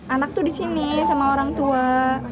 anak tuh disini sama orang tua